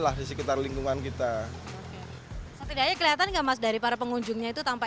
lah di sekitar lingkungan kita setidaknya kelihatan enggak mas dari para pengunjungnya itu tanpa